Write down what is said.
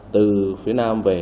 từ phía nam về